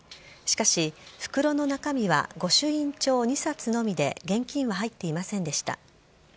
しかし、袋の中身は御朱印帳２冊のみで現金は入っていませんでした。